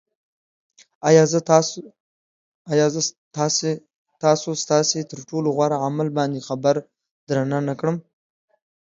آیا زه تاسو ستاسې تر ټولو غوره عمل باندې خبر درنه نه کړم